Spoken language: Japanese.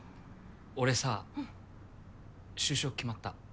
俺さ就職決まった。